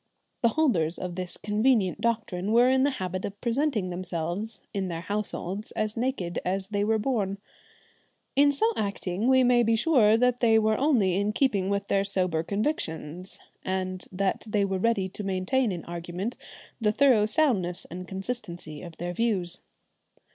The holders of this convenient doctrine were in the habit of presenting themselves in their households as naked as they were born. In so acting we may be sure they were only in keeping with their sober convictions, and that they were ready to maintain in argument the thorough soundness and consistency of their views.